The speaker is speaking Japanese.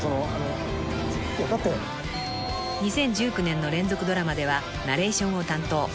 ［２０１９年の連続ドラマではナレーションを担当］